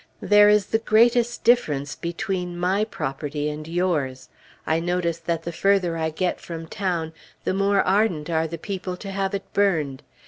There is the greatest difference between my property and yours. I notice that the further I get from town, the more ardent are the people to have it burned.